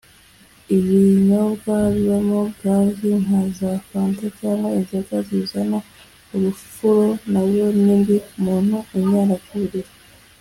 Ibinyobwa bibamo gazi nka za fanta cyangwa inzoga zizana urufuro nazo ni mbi ku muntu unyara ku buriri